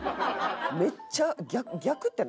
めっちゃ。